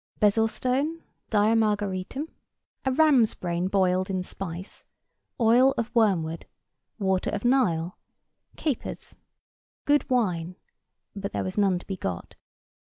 Bezoar stone. Diamargaritum. A ram's brain boiled in spice. Oil of wormwood. Water of Nile. Capers. Good wine (but there was none to be got).